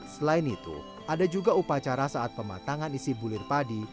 selain itu ada juga upacara saat pematangan isi bulir padi